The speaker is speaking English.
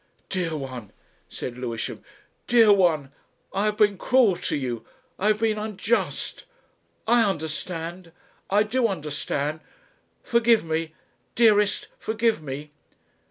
"Dear one," said Lewisham. "Dear one! I have been cruel to you. I have been unjust. I understand. I do understand. Forgive me. Dearest forgive me."